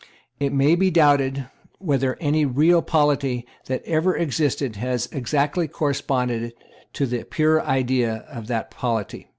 It may be doubted whether any real polity that ever existed has exactly corresponded to the pure idea of that polity.